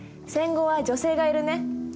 戦後は女性がいるね！